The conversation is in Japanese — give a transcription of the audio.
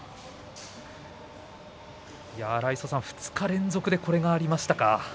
荒磯さん、２日連続でこれがありましたが。